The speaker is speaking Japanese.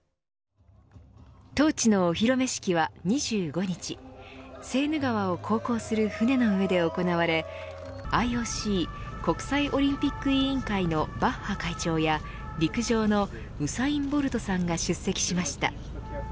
トーチのお披露目式は２５日セーヌ川を航行する船の上で行われＩＯＣ国際オリンピック委員会のバッハ会長や陸上のウサイン・ボルトさんが出席しました。